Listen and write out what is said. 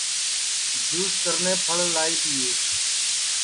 جُس کرنے پھل لائے تیئے